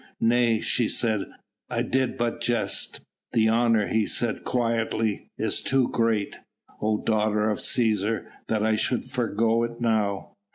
"Nay!" she said, "I did but jest." "The honour," he said quietly, "is too great, O daughter of Cæsar, that I should forego it now."